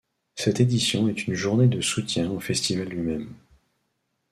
Cette édition est une journée de soutien au festival lui-même.